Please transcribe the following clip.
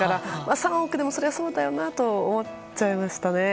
３億でも、そりゃそうだよなと思っちゃいましたね。